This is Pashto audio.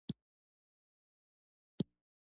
پکتیا د افغانستان د انرژۍ سکتور برخه ده.